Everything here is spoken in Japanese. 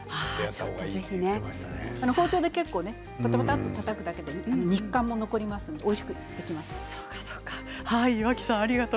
包丁で結構たたくだけで肉感も残りますしおいしくできます。